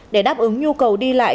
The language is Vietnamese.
để đáp ứng nhu cầu đi lại